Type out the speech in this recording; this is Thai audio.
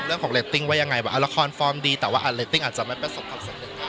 เรื่องของเล็ตติ้งว่ายังไงแบบละครฟอร์มดีแต่ว่าเล็ตติ้งอาจจะไม่เป็นสำคัญสำหรับคนดู